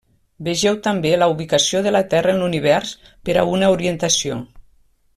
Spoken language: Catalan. Vegeu també la ubicació de la terra en l'univers per a una orientació.